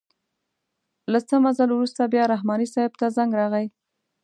له څه مزل وروسته بیا رحماني صیب ته زنګ راغئ.